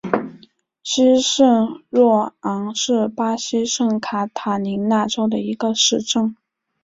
西圣若昂是巴西圣卡塔琳娜州的一个市镇。